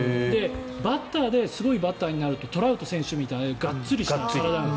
バッターですごいバッターになるとトラウト選手みたいにガッツリした体。